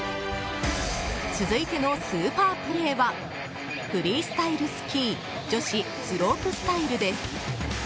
続いてのスーパープレーはフリースタイルスキー女子スロープスタイルです。